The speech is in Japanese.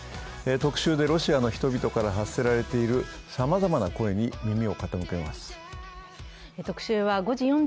特集でロシアの人々から発せられているさまざまな声に耳を傾けます。